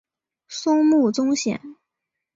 松木宗显。